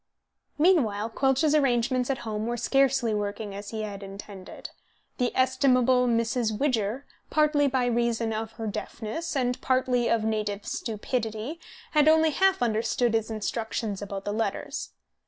Meanwhile Quelch's arrangements at home were scarcely working as he had intended. The estimable Mrs. Widger, partly by reason of her deafness and partly of native stupidity, had only half understood his instructions about the letters.